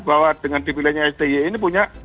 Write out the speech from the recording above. bahwa dengan dipilihnya sti ini punya